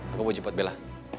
aku mau jemput bella